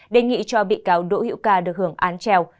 đề nghị cho bị cáo đỗ hữu ca được hưởng án treo